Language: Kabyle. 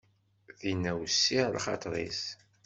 Tinna wessiε lxaṭer-is.